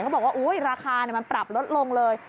บอกว่าราคามันปรับลดลงเลย